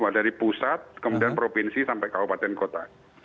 dari pusat kemudian provinsi sampai kabupaten kota